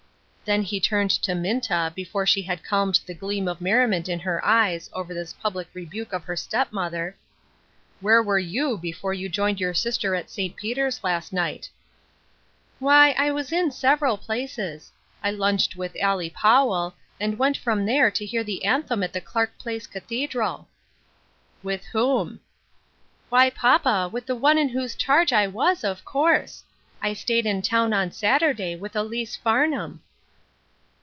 Then he turned to Minta before she had calmed the gleam of merriment in her eyes over 206 A PLAIN UNDERSTANDING. this public rebuke of her step mother, "Where were you before you joined your sister at St. Peter's last night ?" "Why, I was in several places. I lunched with Allie Powell, and went from there to hear the an them at the Clark Place Cathedral." "With whom ?"" Why, papa, with the one in whose charge I was, of course. I stayed in town on Saturday with Ellice Farnham."